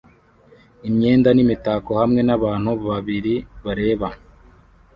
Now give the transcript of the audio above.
imyenda n imitako hamwe nabantu babiri bareba